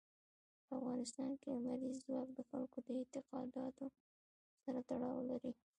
په افغانستان کې لمریز ځواک د خلکو د اعتقاداتو سره تړاو لري.